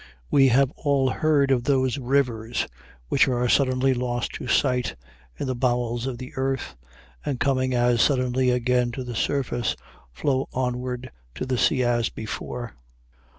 We have all heard of those rivers which are suddenly lost to sight in the bowels of the earth, and, coming as suddenly again to the surface, flow onward to the sea as before.